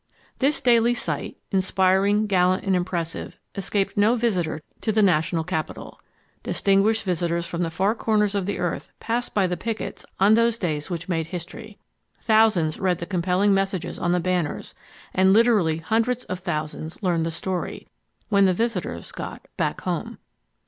This daily sight, inspiring, gallant and impressive, escaped no visitor to the national capital. Distinguished visitors from the far corners of the earth passed by the pickets on those days which made history. Thousands read the compelling messages on the banners, and literally hundreds of thousands learned the story, when the visitors got "back home."